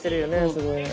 すごい。